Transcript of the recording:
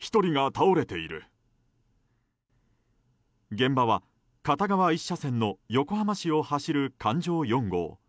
現場は片側１車線の横浜市を走る環状４号。